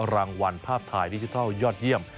รางวัลภาพถ่ายดิจิทัลยอดเยี่ยม